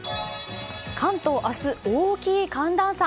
関東明日大きい寒暖差。